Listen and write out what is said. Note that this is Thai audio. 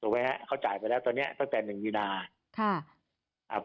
ไหมฮะเขาจ่ายไปแล้วตอนเนี้ยตั้งแต่หนึ่งมีนาค่ะอ่า